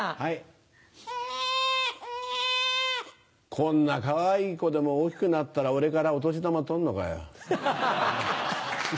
こんなかわいい子でも大きくなったら俺からお年玉取るのかよ。